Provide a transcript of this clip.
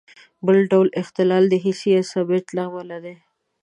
بل ډول اختلال د حسي عصب له امله دی.